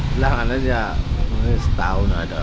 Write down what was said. belangan aja setahun ada